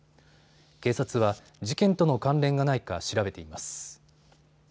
警察は事件との関連がないか調べています。